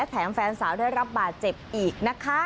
แถมแฟนสาวได้รับบาดเจ็บอีกนะคะ